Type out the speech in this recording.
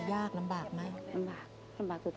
ยากลำบากไหม